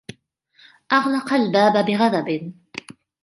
أغلق الباب بغضب